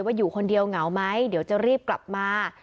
อยู่คนเดียวเหงาไหมเดี๋ยวจะรีบกลับมา